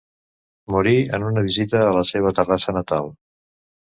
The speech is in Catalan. Morí en una visita a la seva Terrassa natal.